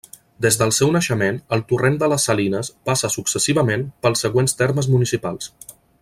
Des del seu naixement, el Torrent de les Salines passa successivament pels següents termes municipals.